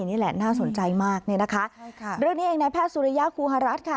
นี่แหละน่าสนใจมากเนี่ยนะคะใช่ค่ะเรื่องนี้เองในแพทย์สุริยาคูฮารัฐค่ะ